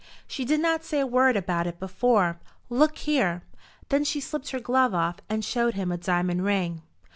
She did not say a word about it before. Look here." Then she slipped her glove off and showed him a diamond ring.